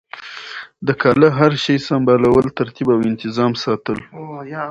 د کاله هر شی سمبالول ترتیب او انتظام ساتل